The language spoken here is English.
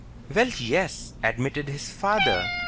"Well, yes," admitted his father.